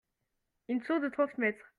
Une tour de trente mètres.